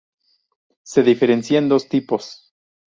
Se diferencian dos tipos.